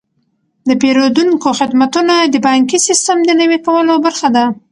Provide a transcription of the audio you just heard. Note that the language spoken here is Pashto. د پیرودونکو خدمتونه د بانکي سیستم د نوي کولو برخه ده.